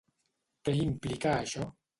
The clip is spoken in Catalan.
Què implica això?